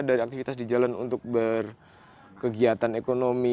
dari aktivitas di jalan untuk berkegiatan ekonomi